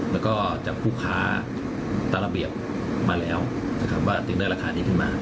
แล้วก็จากผู้ค้าวัดดำเนื้อระเทียบมาแล้วทำอะไรจึงได้ราคานี้ขึ้นมา